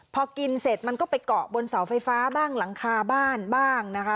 พอกินเสร็จมันก็ไปเกาะบนเสาไฟฟ้าบ้างหลังคาบ้านบ้างนะคะ